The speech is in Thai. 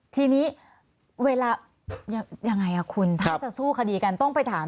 ต้องไปถามสำนักงานสลัก